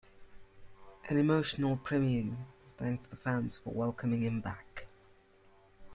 An emotional Primeau thanked the fans for welcoming him back.